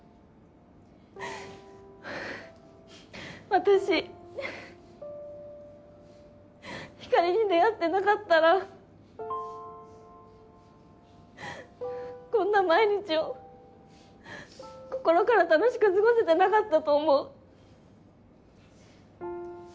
私ひかりに出会ってなかったらこんな毎日を心から楽しく過ごせてなかったと思う。